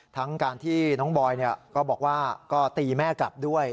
ทั้งการที่น้องบอยก็บอกว่าก็ตีแม่กลับด้วย